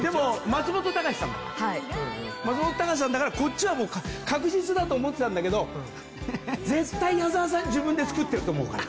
松本隆さんだからこっちはもう確実だと思ってたんだけど絶対矢沢さん自分で作ってると思うから。